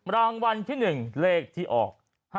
รางวัลที่๑เลขที่ออก